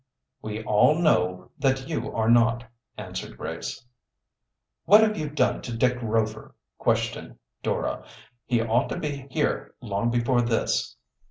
"We all know that you are not," answered Grace. "What have you done to Dick Rover?" questioned Dora. "He ought to be here long before this."